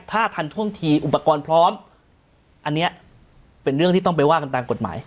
ถ้าทันท่วงทีอุปกรณ์พร้อมอันนี้เป็นเรื่องที่ต้องไปว่ากันตามกฎหมาย